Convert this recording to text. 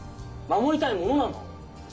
守りたいものなの。